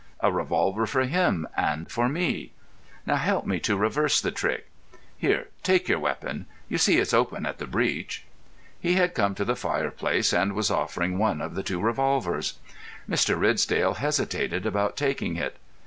"A revolver for him and for me. Now help me to rehearse the trick. Here. Take your weapon. You see it's open at the breech." He had come to the fireplace and was offering one of the two revolvers. Mr. Ridsdale hesitated about taking it.